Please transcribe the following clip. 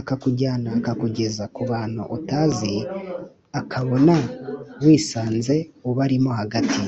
Akakujyana akakugeza ku bantu utazi, ukabona wisanze ubarimo hagati